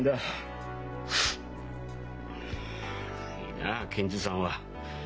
いいなあ検事さんは。